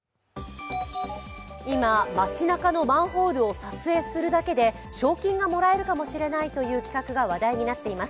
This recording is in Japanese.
今、街なかのマンホールを撮影するだけで賞金がもらえるかもしれないという企画が話題になっています。